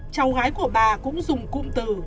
cháu hái của bà cũng dùng cụm từ